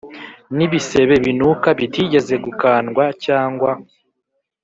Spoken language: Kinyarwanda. N ibisebe binuka bitigeze gukandwa cyangwa